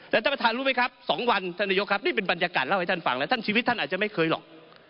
แต่ท่านประธานรู้ไหมครับ๒วันท่านนายกครับนี่เป็นบรรยากาศเล่าให้ท่านฟังแล้วท่านชีวิตท่านอาจจะไม่เคยหรอก